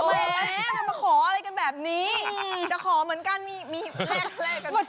ทำไมอยากจะมาขออะไรกันแบบนี้จะขอเหมือนกันมีแรกกัน